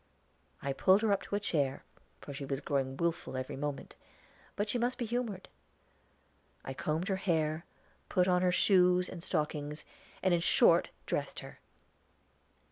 I pulled her up to a chair, for she was growing willful every moment; but she must be humored. I combed her hair, put on her shoes and stockings, and in short dressed her.